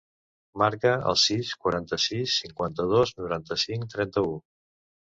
Marca el sis, quaranta-sis, cinquanta-dos, noranta-cinc, trenta-u.